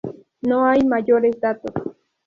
No hay mayores datos.